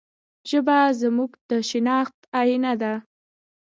ژبه زموږ د شناخت آینه ده.